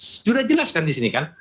sudah jelas kan di sini kan